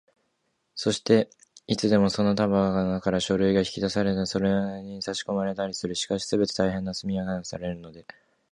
そして、いつでもその束のなかから書類が引き出されたり、またそれにさしこまれたりされ、しかもすべて大変な速さでやられるので、